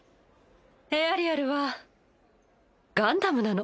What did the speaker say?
エアリアルはガンダムなの。